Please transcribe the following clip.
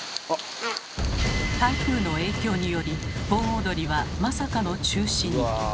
台風の影響により盆踊りはまさかの中止に。